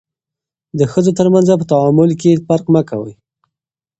د ښځو ترمنځ په تعامل کې فرق مه کوئ.